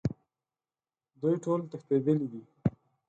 دوی ټول تښتیدلي دي